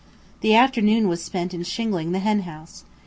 The afternoon was spent in shingling the hen house.